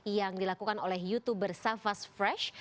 yang dilakukan oleh youtuber safas fresh